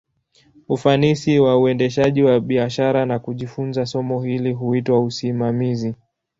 Ufanisi wa uendeshaji wa biashara, na kujifunza somo hili, huitwa usimamizi.